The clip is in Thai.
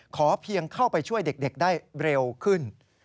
ขอเพียงเข้าไปช่วยเด็กได้เร็วขึ้น